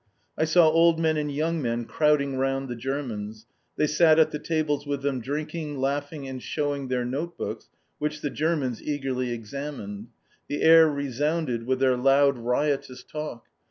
I saw old men and young men crowding round the Germans. They sat at the tables with them drinking, laughing, and showing their note books, which the Germans eagerly examined. The air resounded with their loud riotous talk.